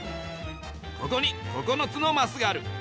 ここに９つのマスがある。